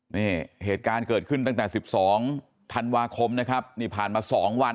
นี่เหตุการณ์เกิดขึ้นตั้งแต่๑๒ธันวาคมนะครับนี่ผ่านมา๒วัน